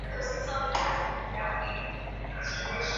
baada ya uchaguzi huko nchini cote de voire